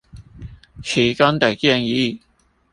其中的建議